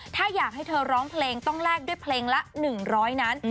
ถ้าอยากให้เธอร้องเพลงต้องแลกด้วยเพลงละ๑๐๐นั้น